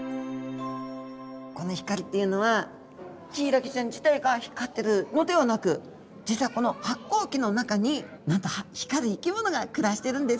この光っていうのはヒイラギちゃん自体が光ってるのではなく実はこの発光器の中になんと光る生き物が暮らしてるんですよ。